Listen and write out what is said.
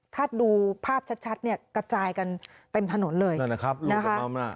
ถ้าดูภาพชัดเนี่ยกระจายกันเต็มถนนเลยนะครับ